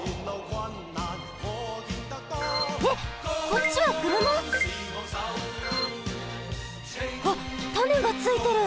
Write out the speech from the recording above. えっこっちはくるま？あっ種がついてる。